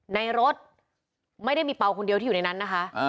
ในรถไม่ได้มีเปล่าคนเดียวที่อยู่ในนั้นนะคะ